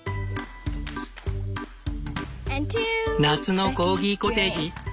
夏のコーギコテージ。